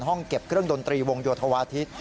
ห้องเก็บเครื่องดนตรีวงโยธวาทิศ